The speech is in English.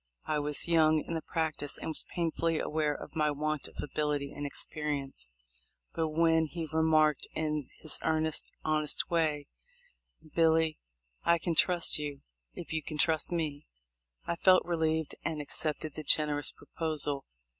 I was young in the practice and was painfully aware of my want of ability and experience; but when he remarked in his earnest, honest way, "Billy, I can trust you, if you can trust me," I felt relieved, and accepted the generous proposal.